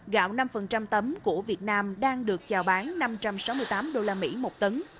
gạo năm tấm của việt nam đang được chào bán năm trăm sáu mươi tám usd một tấn